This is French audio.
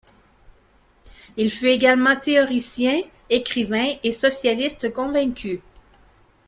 Il fut également théoricien, écrivain, et socialiste convaincu.